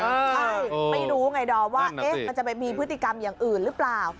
ใช่ไม่รู้ไงดอมว่ามันจะไปมีพฤติกรรมอย่างอื่นหรือเปล่า